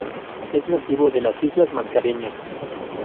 Es nativo de las islas Mascareñas.